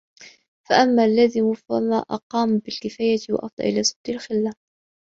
فَأَمَّا اللَّازِمُ فَمَا أَقَامَ بِالْكِفَايَةِ وَأَفْضَى إلَى سَدِّ الْخَلَّةِ